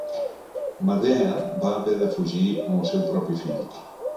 Medea va haver de fugir amb el seu propi fill.